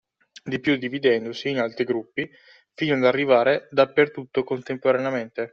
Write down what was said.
Di più dividendosi in altri gruppi fino ad arrivare dappertutto contemporaneamente.